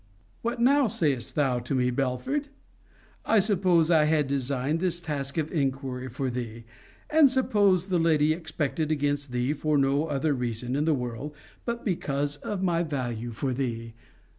What now sayest thou to me, Belford? And suppose I had designed this task of inquiry for thee; and suppose the lady excepted against thee for no other reason in the world, but because of my value for thee?